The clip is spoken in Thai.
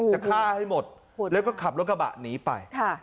จะฆ่าให้หมดแล้วก็ขับรถกระบะหนีไป